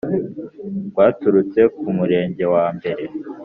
rwaturutse ku Murenge wambere